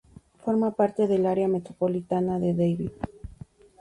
Forma parte del área metropolitana de David.